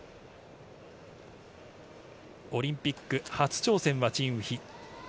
オリンピック初挑戦はチン・ウヒ。